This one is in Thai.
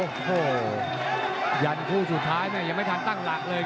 โอ้โหยันคู่สุดท้ายเนี่ยยังไม่ทันตั้งหลักเลย